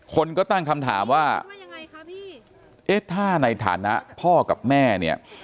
คนก็ตั้งคำถามว่าเอ๊ะถ้าในฐานะพ่อกับแม่เนี่ย